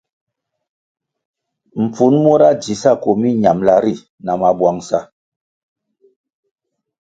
Mpfun mura dzi sa koh miñambʼla ri na mabwangʼsa.